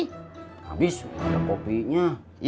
habis ada kopinya